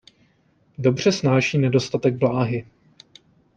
Dobře snáší nedostatek vláhy.